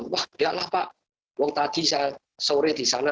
wah lihatlah pak waktu tadi sore di sana